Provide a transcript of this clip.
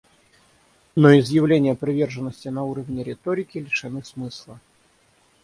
Но изъявления приверженности на уровне риторики лишены смысла.